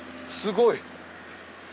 すごい！